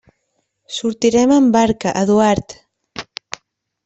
Sortirem amb barca, Eduard.